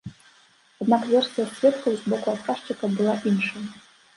Аднак версія сведкаў з боку адказчыка была іншай.